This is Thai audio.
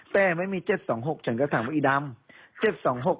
แต่ไม่มี๗๒๖ฉันก็ถามว่าอีดำ